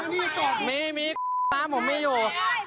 มีมีผมมีอยู่